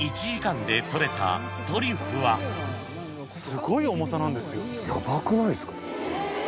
結局すごい重さなんですよ。